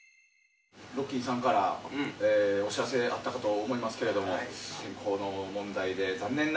ロッキンさんからお知らせあったかと思いますけれども。